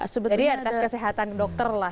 jadi atas kesehatan dokter lah